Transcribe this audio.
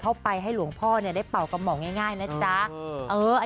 ก็ต้องเอาไปให้หลวงพ่อเนี้ยได้เป่ากำหมองง่ายง่ายน่ะจ๊ะเอออัน